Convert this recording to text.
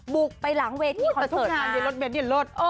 บุกไปหลังเวทย์คนบุกไปสิทุกงานอย่างนั้น